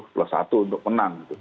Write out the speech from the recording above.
lima puluh plus satu untuk menang